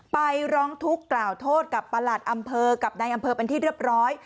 ไปร้องทุกข์กล่าวโทษกับประหลัดอำเภอกับนายอำเภอเป็นที่เรียบร้อย